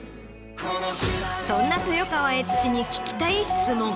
そんな豊川悦司に聞きたい質問。